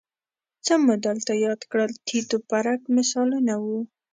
څه مو دلته یاد کړل تیت و پرک مثالونه وو